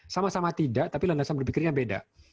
sama sama tidak tapi landasan berpikirnya beda